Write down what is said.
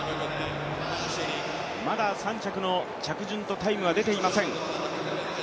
まだ３着の着順とタイムは出ていません。